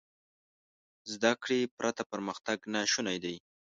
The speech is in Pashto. زده کړې پرته پرمختګ ناشونی دی.